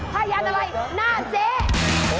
หายันอะไรนะเจ๊โอโฮ